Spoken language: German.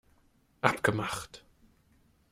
Abgemacht!